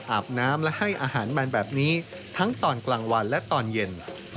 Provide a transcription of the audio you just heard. อาบน้ำและให้อาหารมันแบบนี้ทั้งตอนกลางวันและตอนเย็น